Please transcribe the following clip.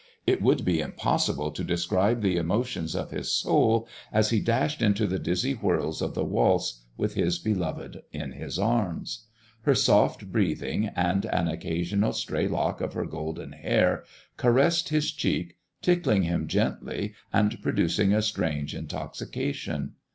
It would be impossible to describe the emotions of his soul as he dashed into the dizzy whirls of the waltz with his beloved in his arms. Her soft breathing and an occasional stray lock of her golden hair caressed his cheek, tickling him gently and producing a strange intoxication.